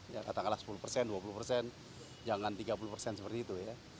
ya katakanlah sepuluh persen dua puluh persen jangan tiga puluh persen seperti itu ya